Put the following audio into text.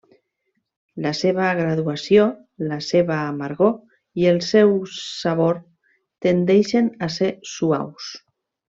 La seva graduació, la seva amargor i el seu sabor tendeixen a ser suaus.